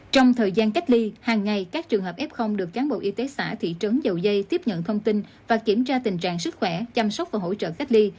trong thời gian cách ly hàng ngày các trường hợp f được cán bộ y tế xã thị trấn dầu dây tiếp nhận thông tin và kiểm tra tình trạng sức khỏe chăm sóc và hỗ trợ cách ly